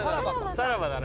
さらばだな。